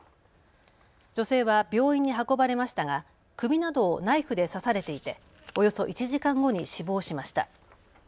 女性は病院に運ばれましたが首などをナイフで刺されていておよそ１時間後に死亡しました。